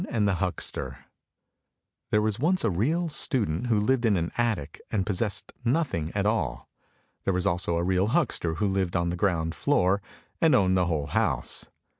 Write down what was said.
b hucKscc THERE was once a real student who lived in an attic and possessed nothing at all. There was also a real huckster who lived on the ground floor and owned the whole house.